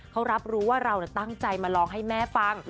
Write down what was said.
เขารับรู้ว่าเราตั้งใจมาลองให้แม่ฟัง